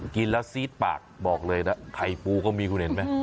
กินแล้วซีดปากบอกเลยนะไข่ปูก็มีคุณเห็นไหม